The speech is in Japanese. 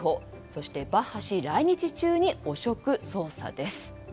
そしてバッハ氏来日中に汚職捜査です。